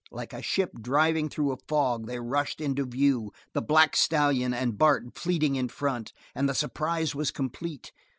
Like a ship driving through a fog they rushed into view, the black stallion, and Bart fleeting in front, and the surprise was complete.